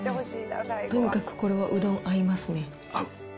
とにかくこれはうどん、合いますね。